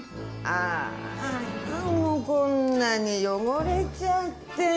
ああもうこんなに汚れちゃって。